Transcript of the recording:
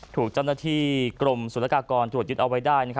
ที่กรมศูนยากากรตรวจยุดเอาไว้ได้